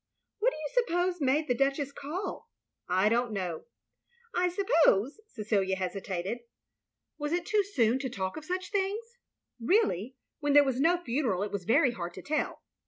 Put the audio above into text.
"What do you suppose made the Duchess call?" "I don't know." "I suppose —" Cecilia hesitated. Was it too 314 THE LONELY LADY soon to talk of such things? Really, when there was no ftineral, it was very hard to tell.